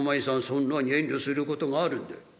そんなに遠慮することがあるんだい」。